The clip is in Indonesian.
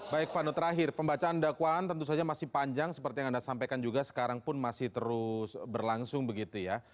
baik vano terakhir pembacaan dakwaan tentu saja masih panjang seperti yang anda sampaikan juga sekarang pun masih terus berlangsung begitu ya